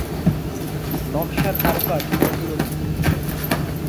নকশার কারুকাজ অতুলনীয়।